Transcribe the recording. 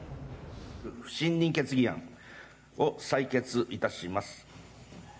不信任決議案を採決いたします。